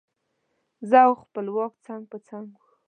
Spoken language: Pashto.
زه او خپلواک څنګ په څنګ وو.